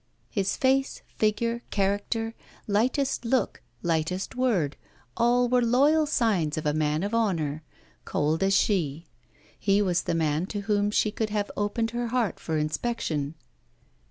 His face, figure, character, lightest look, lightest word, all were loyal signs of a man of honour, cold as she; he was the man to whom she could have opened her heart for inspection.